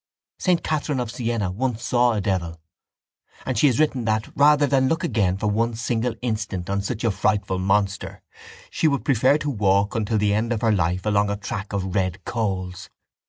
Saint Catherine of Siena once saw a devil and she has written that, rather than look again for one single instant on such a frightful monster, she would prefer to walk until the end of her life along a track of red coals.